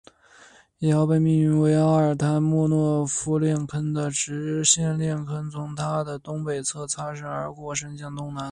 一条被命名为阿尔塔莫诺夫链坑的直线链坑从它的东北侧擦身而过伸向东南。